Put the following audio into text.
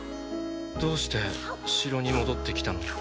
どうして城に戻ってきたの？